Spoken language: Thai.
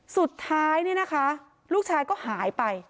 สุดท้ายเนี่ยนะคะลูกชายก็หายไป